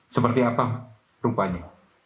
seperti apa rupanya